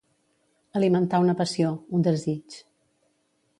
Alimentar una passió, un desig.